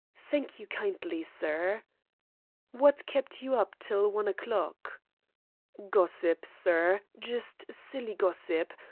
"Thank you kindly, sir." "What kept you up till one o'clock?" "Gossip, sir just silly gossip.